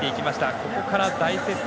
ここから大接戦。